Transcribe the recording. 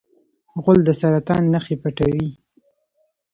غول د سرطان نښې پټوي.